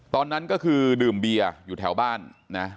ตอนนั้นก็คือดื่มเบียร์อยู่แถวบ้านนะ